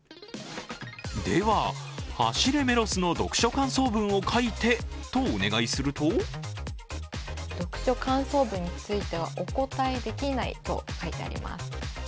では、「走れメロス」の読書感想文を書いてとお願いすると「読書感想文については、お答えできない」と書いてあります。